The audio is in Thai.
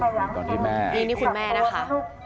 นี่คุณแม่นะคะ